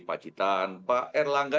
pacitan pak r langga